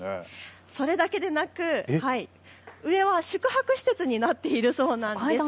それだけでなく上は宿泊施設になっているそうなんです。